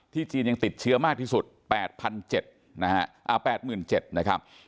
จีนยังติดเชื้อมากที่สุด๘๗๐๐นะครับ